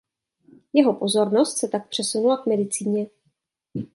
Jeho pozornost se tak přesunula k medicíně.